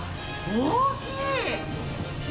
大きい。